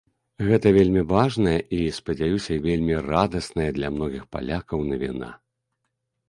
Гэта вельмі важная і, спадзяюся, вельмі радасная для многіх палякаў навіна.